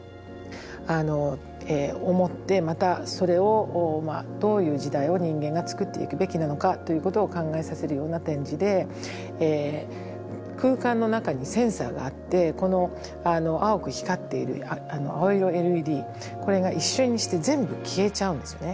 あのえ思ってまたそれをどういう時代を人間が作っていくべきなのかということを考えさせるような展示で空間の中にセンサーがあって青く光っている青色ＬＥＤこれが一瞬にして全部消えちゃうんですよね。